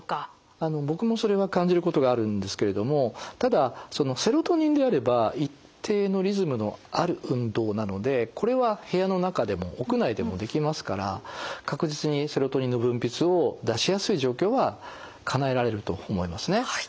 僕もそれは感じることがあるんですけれどもただそのセロトニンであれば一定のリズムのある運動なのでこれは部屋の中でも屋内でもできますから確実にセロトニンの分泌を出しやすい状況はかなえられると思いますね。